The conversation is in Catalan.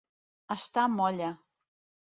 Està molla.